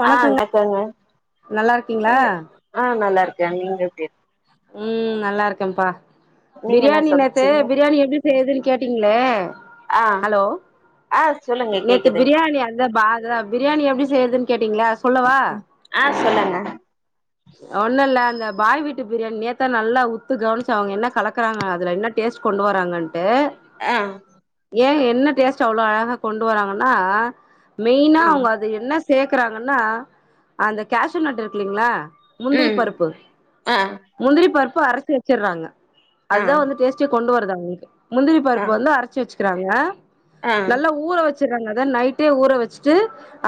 வணக்கங்க ஆஹ்டக்கங்க நல்லா இருக்கீங்களா - ஆஹ் நல்லாயிருக்கு ஜங்னிற பெர் ஊம் நல்லா இருகன்பா இருக் நீங்க என்ன பிரியாணி நேத்து சமச்சீங்க பிரியாணி எப்புடி செய்றதுன்னு கேட்டீங்ளே ஆ ஹலோ ஆ சொல்லுங்க நேத்து கேக்குது பிரியாணி அந்த பாதா பிரியாணி எப்டி செய்றதுன்னு கேட்டீங்கள சொல்லவா ஆ சொல்லுங்க ஒண்ணுல்ல அந்த பாய் வீட்டு பிரியாணி நேத்தா நல்லா உத்து கவனிச்சோ அவ்ங்க என்ன கலக்குறாங்க அதுல என்ன டேஸ்ட் கொண்டு வராங்கன்ட்டு ஆஹ ஏ என்ன டேஸ்ட் அவ்ளோ அழகா கொண்டு வராங்கன்னா மெயினா ம் அவுங்க அது என்ன சேக்கறாங்கன்னா அந்த கேஷுநட்டு் இருக்குலீங்களா முந்திரி ம் பருப்பு ஆ - முந்திரி பருப்பு இப்ப அரச்சி வச்சிறாங்க. ஆ அதுதா வந்து டேஸ்டே கொண்டு வர்தாங் ட்டு முந்திரி ஆ பருப்பு வந்து அரைச்சி வச்சு கிறாங்க ஆ நல்லா ஊற வச் ச்சுறாங்க அத நைட்டே ஊற வச்சுட்டு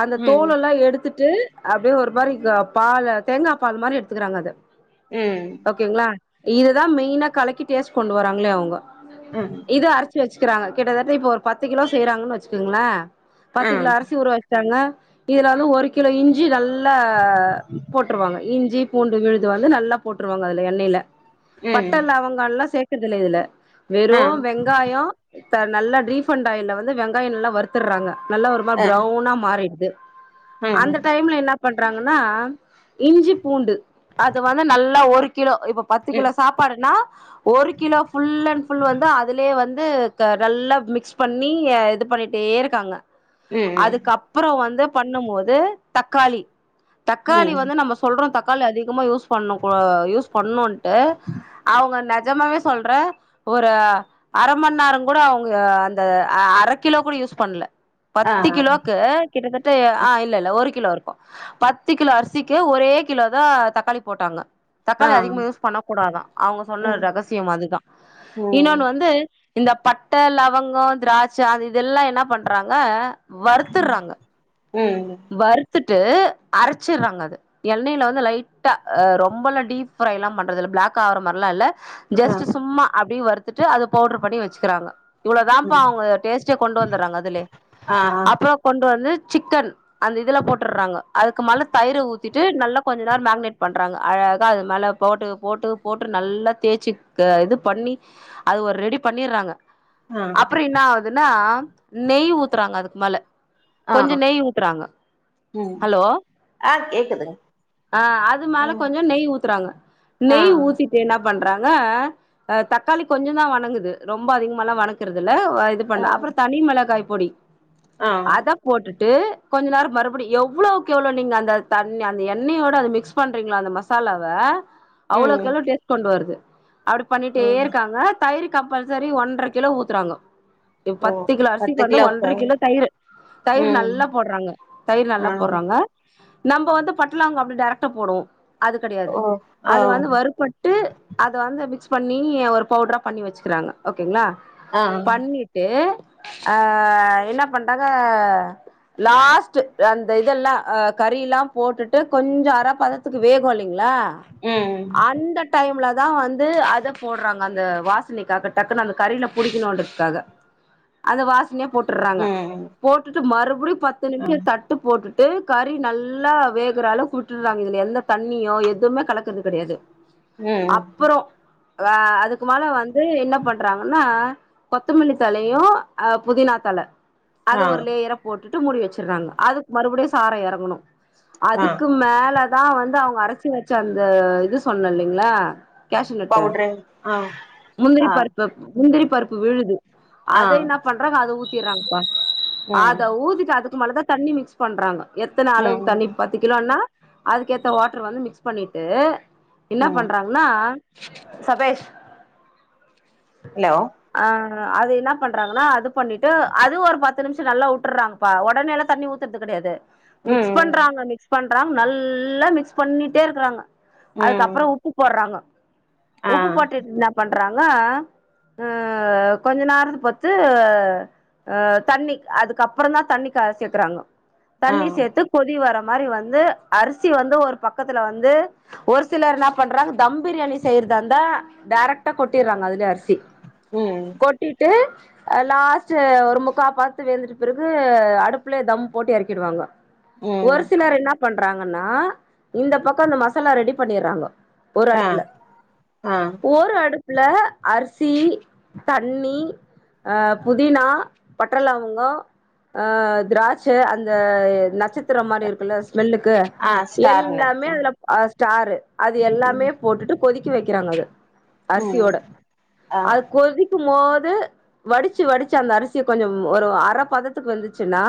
அந்த ம் தோல்லா ல எடுத்துட் ட்டு அப்டியே ஒரு மாரி பால தேங்கா பால் மாதிரி எடுத்துகிறாங்க அத உம் இதுதான் மெயினா கலக்கி டேஸ் கொண்டு வராாங்களே அவ்ங்க ம் இது அர்த் து வச்சுக்கிறாங்க கிட்டத்தட்ட இப்ப ஒரு பத்து கிலோ செய்யறாங்கன்னு வச்சுக்கங்கள ஆ பத்து கிலோ அரிசி ஊர வச்சாங்க இதுல வந்து ஒரு கிலோ இஞ்சி நல்லா போட்டுருவாங்க இஞ்சி பூண்டு விழுது வந்து நல்லா போட்டுருவாங்க அதுல எண்ணைல ம் பட்ட லவங்கலா சே த்துட்டல இதுல ஆ வெறு வெங்காயொ த நல்லா ரீபண்ட் ஆயில்ல வந்து வெங்காயொ நல்லா வருத்தடுறாங்க நல்லா ஒரு மார் ஆ பிர்ரௌனா மாறிடுது ம் அந்த டைம்ல என்ன பண்றாங்கன்னா இஞ்சி பூண்டு அத வந்து நல்லா ஒரு கி கிலோ இப்ப பத்து ம் கிலோ சாப்பாடுனா ஒரு கிலோ ஃபுல் அண்ட் ஃபுல் வந்து அதுலே வந்து து க நல்லா மிக்ஸ் பண்ணி அ இது பண்ணிட்டே இருக்காங்க ம் அதுக்கப்பறொ வந்து பண்ணும்போது தக்காளி க்காளி ம் வந்து நம்ம சொல்றோ த க்காளி அதிகமா யூஸ் பண்ண கூடா யூஸ் பண்ணுன்ட்டு அவங்க ந நெஜமாவே சொல்ற ஒரு அர மண்நேரொ கூட அவங்க அந்த அ அர கிலோ கூட யூஸ் பண்ணல ஆ பத்து கிலோக்கு கிட்டத்தட்ட ஆஹ் இல்ல இல்ல ஒரு கிலோ இருக் பத் த்து கிலோ அரிசிக்கு ஒரே கிலோதா தக்காளி போட்டாங்க ஆ தக்காளி அதிகமா யூஸ் பண்ண கூடாதா அவங்க சொன்ன ம் ரகசியம் அதுதா ம் இன்னொன்னு வந்து இந்த பட்ட லவங்கொ திராட்ச அது இ இதல்லா என்ன பண்றாங்க வருத்துடுறாங்க ம் வருத்துட் ட்டு அரச்சிறாங்க அது எண்ணைல வந்து லைட்டா அ ரொம்பல்லா டீப் ஃப்ரை எல்லாம் பண்றது இல்ல பிளாக் ஆகற மாரிலா இல்ல ஆ ஜஸ்ட் சும்மா அப்டியே வருத் த்துட்டு அத பவுடர் பண்ணி வச்சுக்கிறாங்க இவ்ளோ தாம்ப்பா ம் அவங்க டேஸ்ட்டே கொண்டு வந்துடுறாங்க அதுலே ஆ அப்றோ கொண்டு வந்து சிக்கன் அந்த இதுல போட்டறாங்க அதுக்கு மேலே தயிர் ஊத்திட்டு நல்லா கொஞ்சம் நேரம் மேக்னேட் பண்றாங்க அழகா அது மேலே போட்டு போட்டு போட்டு நல்லா தேய்ச்சுக்க இது பண்ணி அது ஒரு ரெடி பண்ணிடுறாங்க ஆ அப்புற என்ன ஆவுதுன்னா நெய் ஊத்துறாங்க அதுக்கு மேல ஆ கொஞ்சம் நெய் ஊத்துறாங்க ம் ஹலோ ஆ கேக்குதுங்க ஆஹ் அது மேல கொஞ்சம் நெய் ஊத்துறாங்க ஆ நெய் ஊத்திட்டு என்ன பண்றாங் க தக்காளி கொஞ்சோ தான் வணங்குது ரொம்ப அதிகமால்லாம் வணக்குறது இல்ல இது ஆ பண்ண அப்புறம் தனி மிளகாய் பொடி ஆ அத போட்டுட்டு கொஞ்ச நேரம் மறுபடி எவ் ளோக்கெவ்ளோ நீங்க அந்த தண்ணி அந்த எண்ணயோட அது மிக்ஸ் பண்றீங்களோ அந்த மசாலாவ ம் அவ்ளோக்கவ்ளோ டேஸ்ட் கொண்டு வருது அப்டி பண்ணிட்டே ம் இருக்காங்க தயிருக் கம்பல்செரி ஒன்ர கிலோ ஊத்துறாங்கோ இப்ப ஓ பத்து கிலோ பத்து அரிசிக்கு வந்து கிலோக்கு ஒன்ர கிலோ தயிரு தயிர் ம் நல்லா போடுறாங்க தயிர் நல்லா ஆ போட்றாங்க நம்ம வந்து பட்ட லவங்கம் அப்டி டேரக்டா போடுவோம் அது கெடையாது ஓ ஆ அது வந்து வறுப்பட்டு அது வந்து மிக்ஸ் பண்ணி ஒரு பவுடரா பண்ணி வச்சுக்கிறாங்க ஓகேங்களா ஆ பண்ணிட்டு ஆஹ் என்ன பண்டாங்க லாஸ்ட்டு அந் த இதல்லாம் கறியில்லா போட்டுட்டு கொஞ்சோ அற பதத்துக்கு வேகும் இல் ளா ம் அந்த டைம்ல அதா வந்து அத போடுறாங்க அந்த வாசனைக்காக டக்குன்ன அந்த கறில புடிக்கணும்ன்றதுக்காக அந்த வாச னைய போட்டுற்றாங்க ம் போட்டுட்டு மறுபடியும் பத்து ஆ நிமிஷம் தட் போட்டுட்டு கறி நல்லா வேகுற அளவுக்கு வுட்டுற்றாங்க இதுல எந்த தண்ணியோ எதுமே கலக்க குறது கெடையாது ம் அப்புறோ அஹ் அதுக்கு மேல வந்து என்ன பண்றாங்கன்னா கொத்தமல்லி தலயும் அஹ் புதினா தல அது ஆ ஒரு லேயர போட்டு டு மூடி வச்சிருற்றாங்க அது மறுபடியும் சாறொ எறங்கணும் ஆ அதுக்கு மேலதான் வந்து அவுங் கறச்சி வச்ச அந்த இது சொன்ன இல்லீங்களா கேஷுனட்டு பவுட்ரு ஆ முந்திரி ஆ பருப்பு முந்திரி பருப்பு விழுது ஆ அத இன்னா பண்றாங்க அத ஊத் சிரங்ப்பா ம் அத ஊதிட்டு அது மேலதான் தண்ணி மிக்ஸ் பண்றாங்க எத்தன அளவுக்கு ம் தண்ணி பத்து கிலோன்னா அதுக்கேத்த வாட்டரு வந்து மிக்ஸ் பண்ணிட்டு என்ன ம் பண்றாங்கன்னா சபேஷ் ஹலோ ஆஹ் அது இன்னா பண்றாங்கன்னா அது பண்ணிட்டு அது ஒரு பத்து நிமிஷம் நல்லா உட்டுறாங்கப்பா ஒடனேலா தண்ணி ஊத் தர்து கெடையாது மிக்ஸ் ம் பண்றாங்க மிக்ஸ் பண்றாங் நல்லா மிக்ஸ் பண்ணிட்டே இருக்கறாங்க ம் அதுக்கப்புறம் உப்பு போற்றாங்க ஆ உப்பு போட்டுட் இன்னாப் பண் ப்பரன ஊ கொஞ்ச நேரத்து பத்து தண்ணி அதுக்கப்புறந் தான் தண்ணி கார சேக்குறாங்க ஆ தண்ணி சேத்து கொதி வர மாரி வந்து அரிசி வந்து ஒரு பக்கத்துல வந்து ஒரு சிலர் இன்னாப் பண்றாங்க தம் பிரியாணி செய்யற்தா இருந்தா டைரக்டா கொட்டிறாங்க அதிலே அரிசி ம் கொட்டிட்டு அது லாஸ்ட்டு ஒரு முக்கா பாத்துக்கு வெந்துட்ட பிறகு அடுப்புலே தம் போட் எறக்கிடுவாங்க ம் ஒரு சிலர் இன்னாப் பண்றாங்கன்னா இந்த பக்கம் அந்த மசாலா ரெடி பண்ணிறாங்க ஒரு ஆ அடுப்புல ஆ ஓரு அடுப் ல அரிசி தண்ணி ஆஹ் புதினா பட்ற லவங்கம் ஆஹ் திராட் ச்ச அந்த நட்சத் த்துற மாரி இருக்குல்ல ஸ்மெல்லுக்கு ஆ ஸ்டார் எல்லாமே நட்ஸ் அதுல ஆஹ் ஸ்டாரு அது எல்லாமே ம் போட்டுட்டு கொதிக்க வைக்கிறாங்க அது. ம் அரிசியோட ஆ அது கொதி. க்கும்போது வடிச்சு வடிச்சு அந்த அரிசிய கொஞ்சம் ஒரு அர பதத்துக்கு வந்துச்சுன்னா.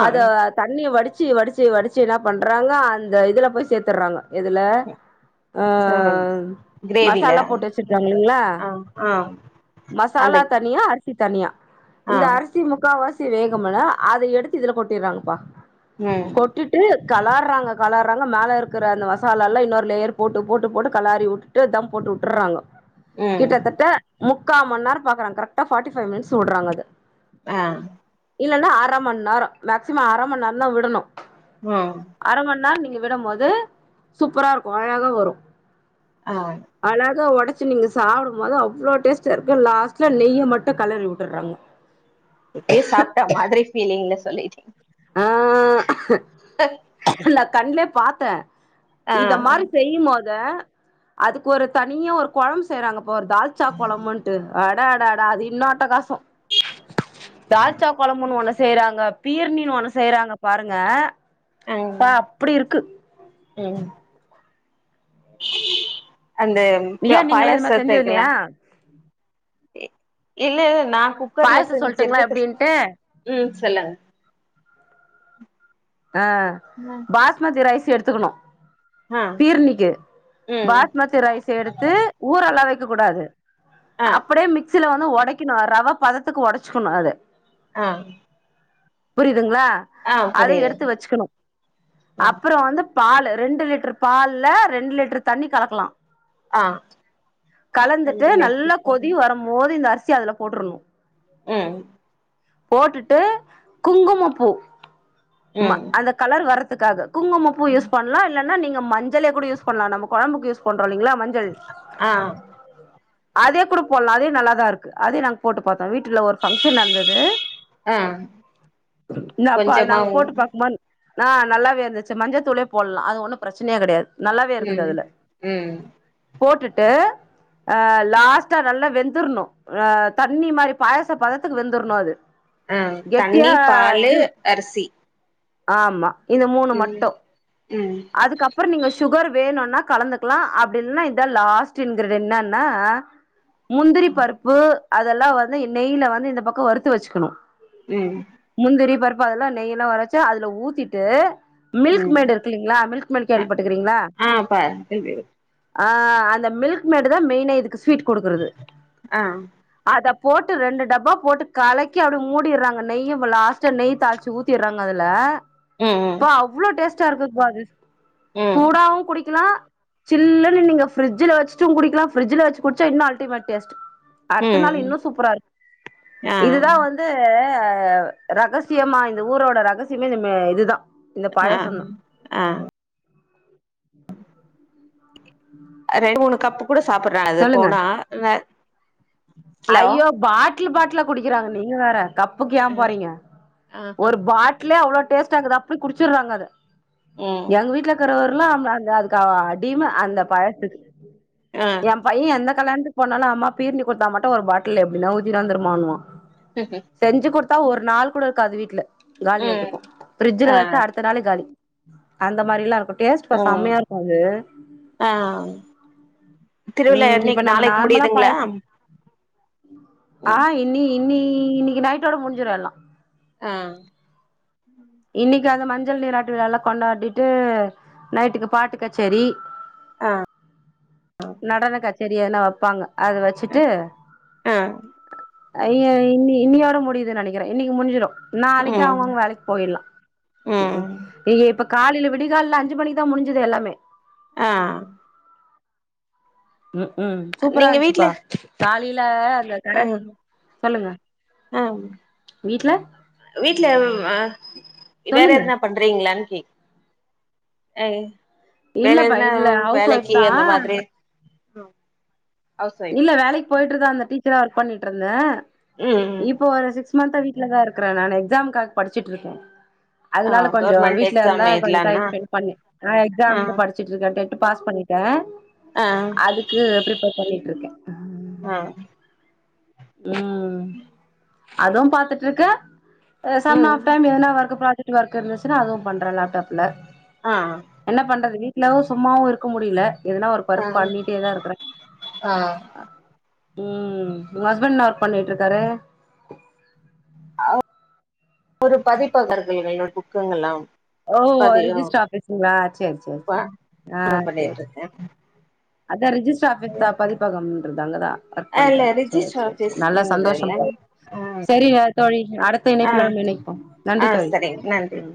ஆ அத தண்ணிய வடிச்சு. வடிச்சு வடிச்சு வடிச்சு என்ன பண்றாங்க அந்த இதுல போய் சேர்த்துறாங்க. இதுல சோ உஹஹஹ கிரேவில மசாலா போட்டு வச்சுருக்காங்கில்லைங்களா ஆ ஆ அந்த மசாலா தனியா அரச் அரிசி தனியா. இந்த ஆ அரிசி முக்காவாசி. தி வேகுமல அத எடுத். து இதுல கொட்டிறாங்கப்பா. ம் கொட்டிட்டு களர்றாங்க களர். றாங்க மேல இருக்கிற அந்த மசாலா எல்லாம் இன்னொரு லேயர் போட்டு போட்டு போட்டு களாறி வுட்டுட்டு தம் போட்டு வுட்டுறாங்க. ம் கிட்டத்தட்ட. முக்கா மன்னேரோ பாக்குறாங்க கரெக்டா ஃபார்ட்டி ஃபைவ் மினிட்ஸ் வுடுறாங்க அத ஆஹ. இல்லைன்னா அர மணி நேரம். மேக்சிமம் அர மணி நேரம் தான் விடணும். ம் அர மணி நேரம் நீங்க. விடும்போது சூப்பரா இருக்கும் அழகா வரும். ஆ அழகா ஒடச். சு நீங்க சாப்பிடும்போது அவ்ளோ டேஸ்டா இருக்கு லாஸ்ட்ல நெய்ய மட்டும் களறி வுட்டுறாங்க. இப்பயே சாப்பிட்டா மாதிரி ஃபீலிங்ல சொல்லி. டிங் ஆஹ நான் கண்ல. பாத்தே. ஆ இத மாரி செய்யும் போது அதுக்கு ஒரு தனியா ஒரு கொழம்பு செய்யறாங்க. பா இப்ப ஒரு தால்சா குழம்புன்ட்டு. அட அட அடா அது இன்னு அட்டகாசோ. தால்ச்சா குழம்புன்னு ஒன்னு செய்யறாங்க பீர்னி ஒண்ணு செய்யறாங்க பாருங்க. ம் ஆ அப்படி இருக்கு. ம் [unintelligible] அந்த பா ஏ நீங்கல்லா இது மாரி செஞ்சது பாயாசத்துக்கல இல்லையா கி இல்ல இல்ல. நான் குக்கர்ல பாயசோ சொல்ட்டுங்களா செஞ்சிருக்கது எப்டின்ட்டு உம் சொல்லுங்க அஹ் ம் பாஸ்மதி ரைஸ் த்து எடுத்துக்கணும் ஆ பீர்னிக்கு ம் பாஸ்மதி ரைஸ் எடுத்து ஊரலாம் வைக்க இருக்க கூடாது ஆ அப்படியே மிக்சில வந்து உடக்கணு ரவ பதத்துக்கு உடச்சுக்கணு அத ஆஹ் புரிது ங்களா அத எடுத்து தத்து வெச்சுக்கணு ம் அப்புறோ வந்து பால் ரெண்டு லிட்டர் பால்ல ரெண்டு லிட்டர் தண்ணி கலக்கலா ஆ கலந்துட்டு ரெண்டு லிட்டர் நல்லா பால் கொதி வரும்போது இந்த அரிசி ச்சு அதுல போட்டுறணு உம் போட்டுட்டு குங்கும பூ மா ம் அந்த கலர் வர்ற க்காக குங்கும பூ யூஸ் பண்லா இல்ல ன்னா நீங்க மஞ்சளே கூட யூஸ் பண்ணலா நம்ம கொழம்புக்கு யூஸ் பண்றோ போடுரோலீங்களா மஞ்சள் ஆ அதே கூட போடலா அதே நல்லாதா இருக்கு அதே நாங்க போட்டு பாத் வீட்டுல ஒரு ஃபங்க்ஷன் நடந்தது ஆ இந்தா அப்போ அது கொஞ்சமா நாங்க போட்டு ம் பாக்குமன் னா நல்லாவே இருந்துச்சு மஞ்சத்தூளே போடலா அது ஒண்ணு பிரச்சனயே கெடையாது நல்லாவே இருக்குது ம் அதுல ம் போட்டுட்டு அஹ் லாஸ்ட்டா நல்லா வெந்துர்ணு ஆஹ தண்ணி மாரி பாயச பதத்துக்கு வெந்துர்ணு அது ஆஹ் கெட்டியா தண்ணி பாலு இது அரிசி ஆமா இது மூணு ம் மட்டு ம் அதுக்கப்புறோ நீங்க சுகர் வேணுனா கலந்துக்கலா அப்படி இல்லனா இதா லாஸ்ட் இன்கிரிடியன் என்னன்ன முந்திரி பருப்பு அதெல்லா வந்து நெய்ல வந்து இந்த பக்கோ வறுத்து வெச்சுக்கணு ம் முந்திரி பருப் பு அதெல்லா நெய்ல வரச்சு அதுல ஊத்திட்டு மில்க் ம் மெய்டு இருக்கில்லீங்ளா மில்க் மெய்டு அ கேள்வி பட்டுருக்கிறீங்ளா ஆ பாரு ஆ அந்த மில்க் மேடுதான் மெய்னே இதுக்கு ஸ்வீட் குடுக்குறது ஆ அதப் போட்டு ரெண்டு டப்பா போட்டு கலக்கி அப்டி மூடிட்றாங்க நெய்யும் லாஸ்ட்டா நெய் தாள்ச்சி ஊத்திட்றாங்க அதுல ம் ம் பா அவ்ளோ டேஸ்ட் [unintelligible] வாது ம் சூடாவு குடிக்கிலாம் சில்லுனு நீங்க ஃப்ரி்ட்ஜுல வச்சுட்டும் குடிக்கலாம் ஃப்ரி்ட்ஜ்ல வச்சு குடிச்சா இன்னும் அல்டிமேட் டேஸ்ட் அடுத்த நாள் ம் இன்னும் சூப்பரா இருக் ஆ இதுதான் வந்து அ ரகசியமா இந்த ஊரோட ரகசியமே இந்த மே இதுதா இந்த ஆ பாயாசோந்தா ஆ அ ரெண்டு மூணு கப்பு கூட சாப்புட்றாங்க அது சொல்லுங்க போனா வ ஐயோ பாத் பாட்டுல் பாட்டுலா குடிக்கிறாங்க நீங்க வேற கப்புக்கு ஏன் ம் போறீங்க ஆ ஒரு பாட் ட்லே அவ்ளோ டேஸ்டாக்குது அப்டி குடிச்சிட்றாங்க அத ம் எங்க வீட்லக்குறவர் லாம் அந்த அந்த அதுக்கு அடிம அந்த பழத்துக்கு ஆ என் பையன் என்ன கலன்னு போனாலு அம்மா பீர்னி கொடுத்தா மட் ஒரு பாட்டில் எப்டினா ஊத்திரு வந்துருமானுவான் செஞ்சு குடுத்தா ஒரு நாள் கூட காது வீட்ல காலி ம் ஆயிட்டுக்கும் ஃபிரிட்ஜுல ஆ வச்சா அடுத்த நாளே காலி அந்த மாரிலாம் இருக்கு டேஸ்ட் பா ஆ செம்மையா இருக்கு அது ஆ திருவிழா ம் இப்ப என்னைக்கு நம்ம நாளைக்கு நார்மலா பழ முடியுதுங்களா ஆ ம் இனி இனி இன்னிக்கு நைட்டோட முடிஞ்சுரு எல்லா ஆ கி அந்த மஞ்சள் நீராட்டு விழாலா கொண்டாடிட்டு நைட்டுக்கு பாட்டு கச்சேரி ஆ நடன கட் சேரியனா வப்பாங்க அது வச்சுட்டு ஆ அய்யோ இன் இன்னியோட முடியுதுனு நெனக்கிறே இன்னைக்கி முடிஞ்சிடு நாளக்கி ம் அவுங்கோங்க வேலைக் போயிடுலா உம் ம் நீயே இப்பக் காலேல விடியகால்ல அஞ்சு மணிக்குதா முடிஞ்து எல்லாமே அ ம் உம் சூப்பரா நீங்க வீட்ல இஞ்துச்சுபா தாலி ல யோ கட ஆ சொல்லுங்க வீட்ல ட்லவு அ இ வேற சொல்லுங்க எதுனா பண்றீங்களான் ரி அங் இல்லபா இல்ல ஹவுஸ் ஒய்ஃப் தா ஆ இல்ல வேலைக் போயிட் ட்டுறுதாந்தே டீச்சரா ஒர்க் பண்ணிட்டுருந்தே ம் ம் இப்ப ஒரு சிக்ஸ் சுஸ்மந்தா வீட்ல தா இருக்குறே நானு எக்ஸாம்காக படிச்சிட்டு இருக்கே ஆ அதுனால தா கொஞ்சோ கவர்மெண்ட் வீட்ல இருந்தா எக்ஸாம் கொஞ்ச டைம் எழுதலான்னா ஸ்பெண்ட் பண்ணி ஆ எக்ஸாம்கு படிச்சுட்டு இருக்கே டே பாஸ் பண்ணிட்டே அதுக்கு பிரிப்பேர் பண்ணி ஆஹ் உம் அதுவு பாத்துட்டு இருக்கே அ சம் ஆஃப் ம் டைம் எதுனா ஒர்க் ப்ராஜக் இங்க ஒர்க் இருந்துச்சுனா அதுவு பண்ற லேப்டாப்ல ஆ என்ன பண்றது வீ இல்லவு சும்மாவும இருக்க முடியல எதுனா ஒரு பர்க் பண்ணிட்டேதா ருக்கிற அ உம் உங்க ஹஸ்பண் ன்னா ஒர்க் பண்ணிட்ருக்காரு ஒரு பதிப்பகர்கள்கள் [unintelligible] புக்குங்களாம் ஓ ரிஜிஸ்ட்ர் ஆபீஸ்ங்ளா செரி செரி ப செரி அ செரி பண்ணிட்டு செரி இருக்கே இந்த ரிஜிஸ்டர் ஆபிஸ் தா பதிப்பகம் இருந்தாங்க தா ஒர்க் அதுல பண்ற செரி ரிஜிஸ்டர் செரி நல்லா சந்தோஷம் ஆஃபீஸ்ன்றல்ல பா ஆ சரிங்க தோழி அடுத்த ஆ இணைப்புல [unintelligible] போம் நன்றி ஆ தோழி சரிங்க நன்றி ம்